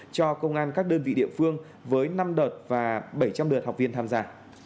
cho công an các đơn vị địa phương với năm đợt và bảy trăm linh lượt học viên tham gia